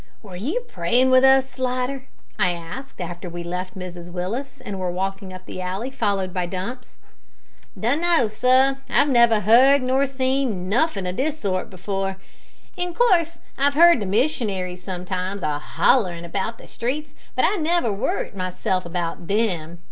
"Were you praying with us, Slidder?" I asked, after we left Mrs Willis, and were walking up the alley, followed by Dumps. "Dun know, sir; I've never heard nor seen nuffin' o' this sort before. In coorse I've heard the missionaries sometimes, a hollerin' about the streets, but I never worrited myself about them.